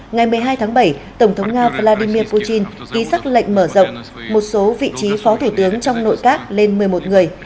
ngày một mươi hai tháng bảy tổng thống nga vladimir putin ký xác lệnh mở rộng một số vị trí phó thủ tướng trong nội các lên một mươi một người